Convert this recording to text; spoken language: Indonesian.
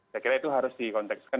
saya kira itu harus di kontekskan